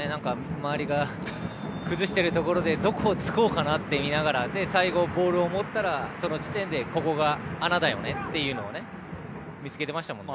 周りが崩しているところでどこを突こうかなって見ながら最後、ボールを持ったらその時点でここが穴だよねっていうのを見つけていましたもんね。